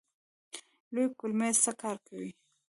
لویې کولمې څه کار کوي؟